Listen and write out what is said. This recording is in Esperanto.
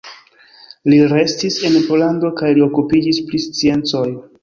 Li restis en Pollando kaj li okupiĝis pri sciencoj.